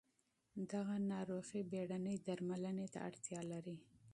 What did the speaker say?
دغه ناروغي بېړنۍ درملنې ته اړتیا لري.